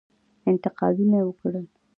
انتقاونه وکړل.